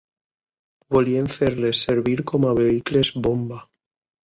Volien fer-les servir com a vehicles bomba.